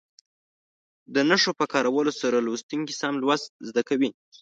د نښو په کارولو سره لوستونکي سم لوستل زده کوي.